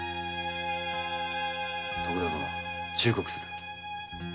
徳田殿。忠告する。